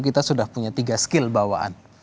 kita sudah punya tiga skill bawaan